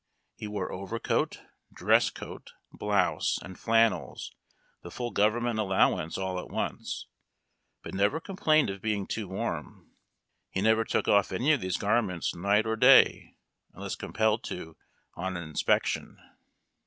He wore overcoat, dress coat, blouse, and flannels the full government allowance all at once, but never complained of being too warm. He never took off any of these garments night or day unless compelled to on inspec tion.